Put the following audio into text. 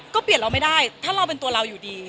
ก็เปลี่ยนเราไม่ได้ถ้าเราเป็นตัวเราอยู่ดี